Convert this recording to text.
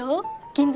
銀座？